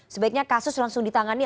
sebaiknya kasus langsung ditangani